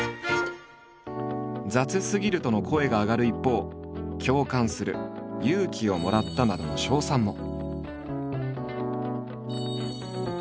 「雑すぎる」との声が上がる一方「共感する」「勇気をもらった」などの称賛も。